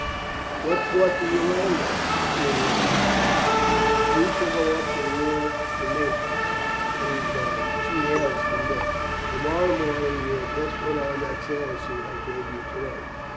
"What port do you land at?" Julian asked Markham. "We shall go up the Loire to Nantes," he replied; "she hails from there. To morrow morning you had best put on that sailor suit I gave you to day.